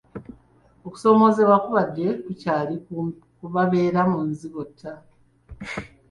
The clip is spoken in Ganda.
Okusoomoozebwa kubadde kukyali ku babeera mu nzigotta.